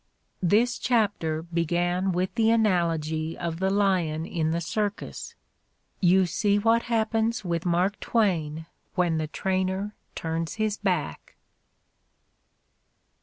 ..." This chapter began with the analogy of ^he lion in the circus. You see what happens with Mark Twain when the trainer turns his back.